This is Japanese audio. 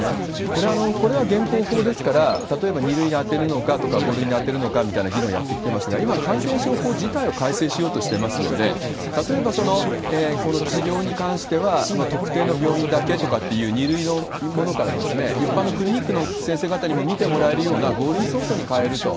これ、これは現行法ですから、例えば２類に充てるのかとか、５類に当てるのかみたいな議論やってきてますが、今、感染症法自体を改正しようとしていますので、例えば、この治療に関しては特定の病院だけとかっていう、２類のものから一般のクリニックの先生方にも見てもらえるような５類相当に変えると。